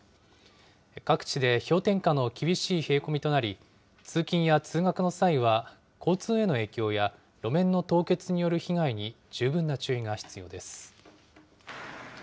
各地で氷点下の厳しい冷え込みとなり、通勤や通学の際は交通への影響や、路面の凍結による被害に十分な注意が必要です。